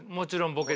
ボケ。